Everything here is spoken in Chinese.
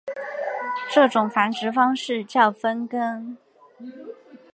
这种繁殖方式叫分根。